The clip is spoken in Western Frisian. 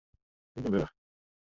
Ik bin wurch.